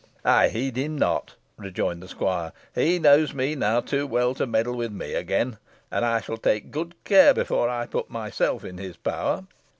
"I heed him not," rejoined the squire; "he knows me now too well to meddle with me again, and I shall take good care how I put myself in his power.